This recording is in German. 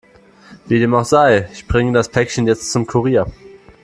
Wie dem auch sei, ich bringe das Päckchen jetzt zum Kurier.